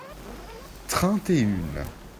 trente et une.